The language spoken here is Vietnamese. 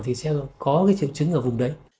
thì sẽ có cái triệu chứng ở vùng đấy